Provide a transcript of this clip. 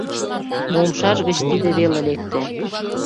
Но умшаж гыч тиде веле лекте: